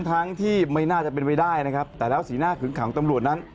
ทั้งที่ไม่น่าจะเป็นไปได้นะครับแต่แล้วสีหน้าขึงขังตำรวจนั้น